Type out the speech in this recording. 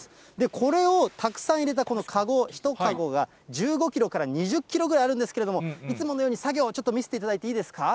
これをたくさん入れたこの籠、１籠が１５キロから２０キロぐらいあるんですけれども、いつものように作業、ちょっと見せていただいていいですか。